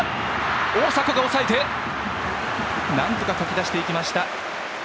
大迫が押さえてなんとかかき出していきました。